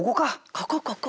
ここここ。